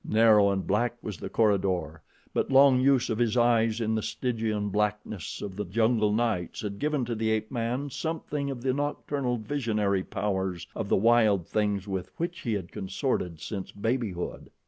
Narrow and black was the corridor; but long use of his eyes in the Stygian blackness of the jungle nights had given to the ape man something of the nocturnal visionary powers of the wild things with which he had consorted since babyhood.